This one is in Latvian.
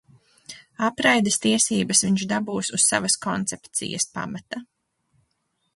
Apraides tiesības viņš dabūs uz savas koncepcijas pamata.